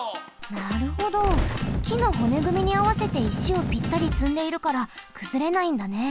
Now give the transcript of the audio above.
なるほどきのほねぐみにあわせて石をぴったりつんでいるからくずれないんだね。